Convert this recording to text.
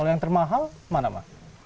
kalau yang termahal mana pak